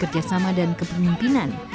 kerjasama dan kepemimpinan